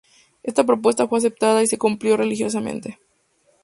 Esta propuesta fue aceptada y se cumplió religiosamente.